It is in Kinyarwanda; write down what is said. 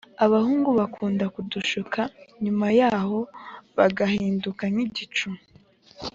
abahungu bakunda kudushuka nyuma yaho bagahinduka nkigicu